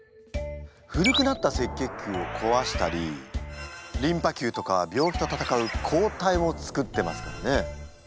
古くなった赤血球をこわしたりリンパ球とか病気と闘う抗体をつくってますからね。